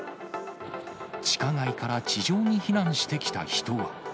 地下街から地上に避難してきた人は。